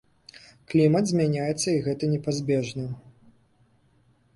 Клімат змяняецца і гэта непазбежна.